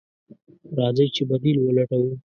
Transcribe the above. راځئ چې بديل ولټوو.